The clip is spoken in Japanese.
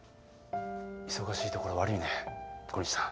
忙しいところ悪いね小西さん。